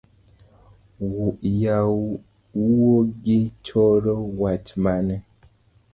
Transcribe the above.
Yawuigo choro wach mane